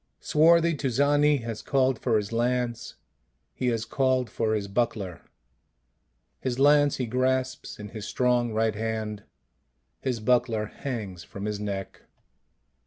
Swarthy Tuzani has called for his lance, he has called for his buckler; his lance he grasps in his strong right hand; his buckler hangs from his neck.